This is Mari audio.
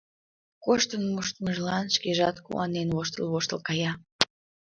Коштын моштымыжлан шкежат куанен, воштыл-воштыл кая.